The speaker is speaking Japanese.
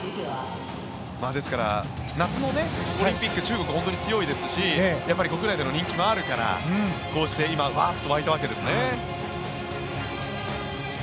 ですから、夏のオリンピック中国、本当に強いですし国内での人気もあるから今、こうしてワッと沸いたわけですね。